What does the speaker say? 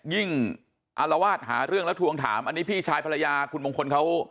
อารวาสหาเรื่องแล้วทวงถามอันนี้พี่ชายภรรยาคุณมงคลเขา